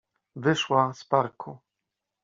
Wyszła z parku.